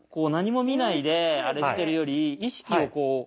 何も見ないであれしてるより意識をこう。